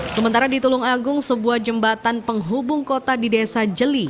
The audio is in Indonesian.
sementara di tulung agung sebuah jembatan penghubung kota di desa jeli